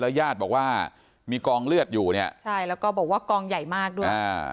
ญาติบอกว่ามีกองเลือดอยู่เนี่ยใช่แล้วก็บอกว่ากองใหญ่มากด้วยอ่า